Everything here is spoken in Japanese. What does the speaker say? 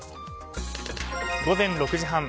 午前６時半。